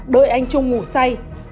đợi anh trung ngủ say